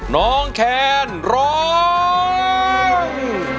น้องแคนร้อง